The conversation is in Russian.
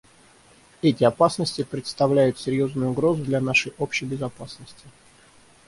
Эти опасности представляют серьезную угрозу для нашей общей безопасности.